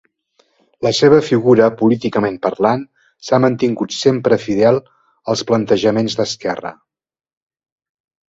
La seva figura, políticament parlant, s'ha mantingut sempre fidel als plantejaments d'esquerra.